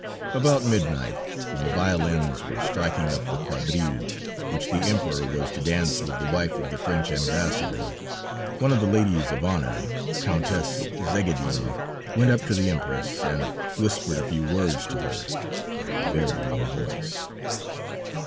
About midnight, when the violins were striking up the quadrille, which the Emperor was to dance with the wife of the French Ambassador, one of the ladies of honor, Countess Szegedin, went up to the Empress, and whispered a few words to her, in a very low voice.